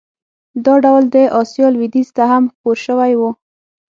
دا ډول د اسیا لوېدیځ ته هم خپور شوی و.